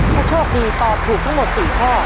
ถ้าโชคดีตอบถูกทั้งหมด๔ข้อ